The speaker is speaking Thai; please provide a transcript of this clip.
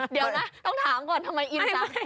เดี๋ยวนะต้องถามก่อนทำไมอินจัง